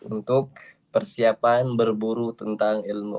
untuk persiapan berburu tentang ilmu